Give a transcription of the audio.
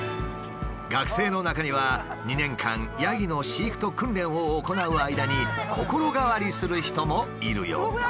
学生の中には２年間ヤギの飼育と訓練を行う間に心変わりする人もいるようだ。